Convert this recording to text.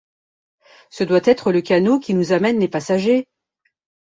Ce doit être le canot qui nous amène les passagers!